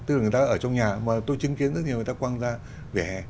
tức là người ta ở trong nhà mà tôi chứng kiến rất nhiều người ta quang ra vỉa hè